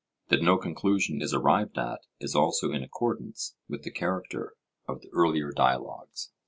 That no conclusion is arrived at is also in accordance with the character of the earlier dialogues.